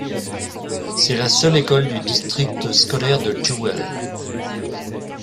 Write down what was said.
C'est la seule école du district scolaire de Jewell.